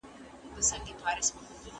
حقوقو پوهنځۍ بې ارزوني نه تایید کیږي.